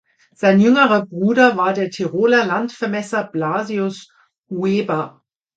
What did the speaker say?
Sein jüngerer Bruder war der Tiroler Landvermesser Blasius Hueber.